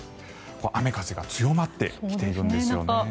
雨風が強まってきているんですよね。